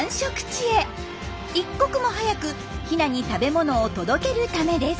一刻も早くヒナに食べ物を届けるためです。